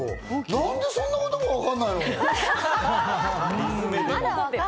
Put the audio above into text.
何でそんなこともわかんな理詰め。